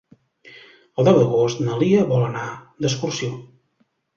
El deu d'agost na Lia vol anar d'excursió.